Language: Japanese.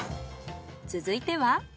続いては。